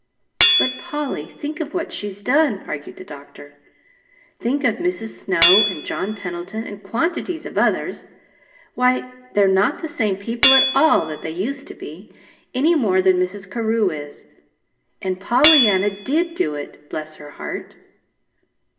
"But, Polly, think of what she's done," argued the doctor. "Think of Mrs. Snow and John Pendleton, and quantities of others why, they're not the same people at all that they used to be, any more than Mrs. Carew is. And Pollyanna did do it bless her heart!"